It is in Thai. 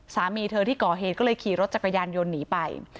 สามีเธอที่ก่อเหตุก็เลยขี่รถจักรยานยนต์หนีไป